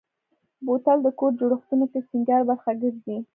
بوتل د کور جوړښتونو کې د سینګار برخه ګرځي.